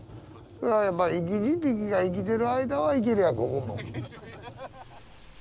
やっぱ生き字引が生きてる間はいけるやここも。